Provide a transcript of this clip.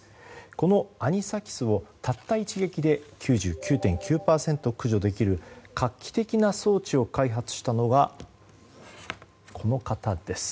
このアニサキスを、たった一撃で９９．９％駆除できる画期的な装置を開発したのがこの方です。